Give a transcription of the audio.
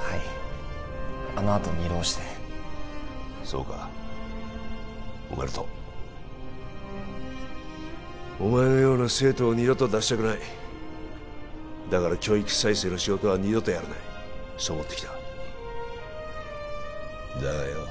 はいあのあと２浪してそうかおめでとうお前のような生徒を二度と出したくないだから教育再生の仕事は二度とやらないそう思ってきただがよ